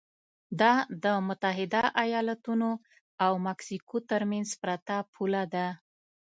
دا د متحده ایالتونو او مکسیکو ترمنځ پرته پوله ده.